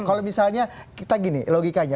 kalau misalnya kita gini logikanya